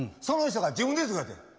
その人が自分で作って。